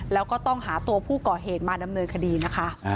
แล้วก็ต้องหาตัวผู้ก่อเหตุมาดำเนินคดีนะคะ